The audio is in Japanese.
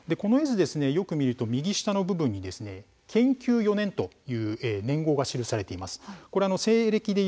この絵図、よく見ると右下の部分に建久４年と年号が記されています。